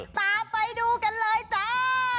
ตามไปดูกันเลยจ้า